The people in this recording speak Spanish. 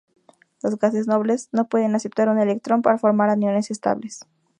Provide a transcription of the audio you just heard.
Los gases nobles no pueden aceptar un electrón para formar aniones estables.